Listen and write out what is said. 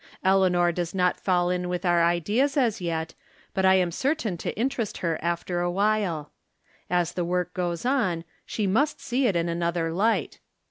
Eleanor does not fall in with our ideas as yet, but I am certain to in terest her after a while. As the work goes on, she must see it in another light.